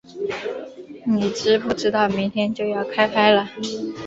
你知不知道明天就要开拍了